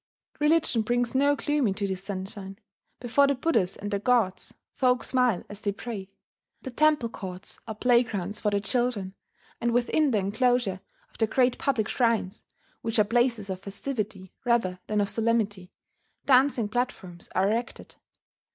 Religion brings no gloom into this sunshine: before the Buddhas and the gods folk smile as they pray; the temple courts are playgrounds for the children; and within the enclosure of the great public shrines which are places of festivity rather than of solemnity dancing platforms are erected.